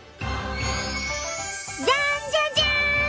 じゃんじゃじゃん！